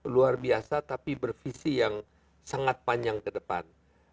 luar biasa tapi bervisi yang sangat panjang ke depan